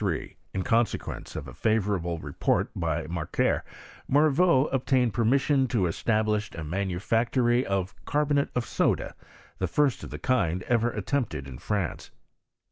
in 1783, in consequenoeof afnomableicpoitlpr Macr^uer, Morveau obtained permiaioa to e^alilHii a manufactory of carbonate of soda, the fint of the kind ever attempted in France.